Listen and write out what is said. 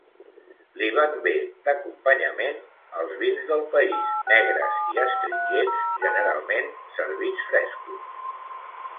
Li van bé d'acompanyament els vins del país, negres i astringents, generalment servits frescos.